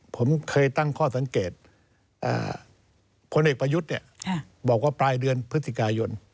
ผมเคยตั้งข้อสังเกตพลเอกประยุทธ์บอกว่าปลายเดือนพฤศจิกายน